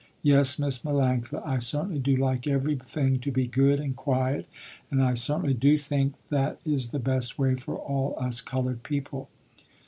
Yes Miss Melanctha, I certainly do like everything to be good, and quiet, and I certainly do think that is the best way for all us colored people.